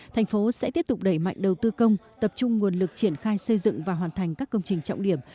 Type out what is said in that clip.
thành phố sẽ tiếp tục đẩy mạnh đầu tư công tập trung nguồn lực triển khai xây dựng và hoàn thành các công trình trọng điểm